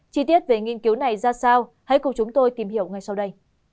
chi tiết về nghiên cứu này ra sao hãy cùng chúng tôi tìm hiểu ngay sau đây